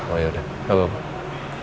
oh yaudah gapapa